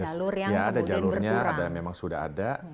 yang kemudian berkurang ya ada jalurnya memang sudah ada